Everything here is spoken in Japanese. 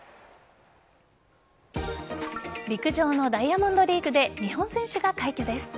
陸上のダイヤモンドリーグで日本選手が快挙です。